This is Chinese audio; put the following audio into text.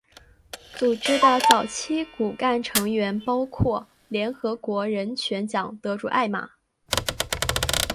组织的早期骨干成员包括联合国人权奖得主艾玛。